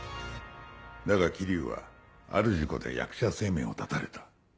だが霧生はある事故で役者生命を絶たれた。